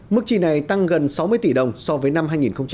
mức chi này tăng gần sáu mươi tỷ đồng so với năm hai nghìn một mươi bảy